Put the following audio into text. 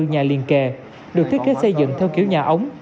nhà liền kề được thiết kế xây dựng theo kiểu nhà ống